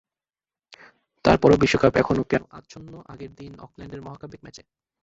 তার পরও বিশ্বকাপ এখনো যেন আচ্ছন্ন আগের দিন অকল্যান্ডের মহাকাব্যিক ম্যাচে।